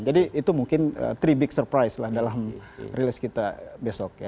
jadi itu mungkin three big surprise lah dalam release kita besok ya